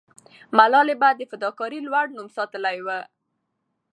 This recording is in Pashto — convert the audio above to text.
ملالۍ به د فداکارۍ لوړ نوم ساتلې وو.